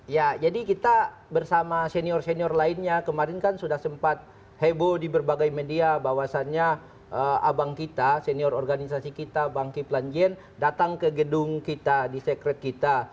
ya jadi kita bersama senior senior lainnya kemarin kan sudah sempat heboh di berbagai media bahwasannya abang kita senior organisasi kita bang kiplanjien datang ke gedung kita di sekret kita